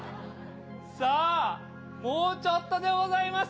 さあ、もうちょっとでございます。